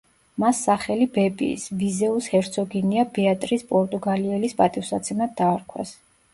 მას სახელი ბებიის, ვიზეუს ჰერცოგინია ბეატრიზ პორტუგალიელის პატივსაცემად დაარქვეს.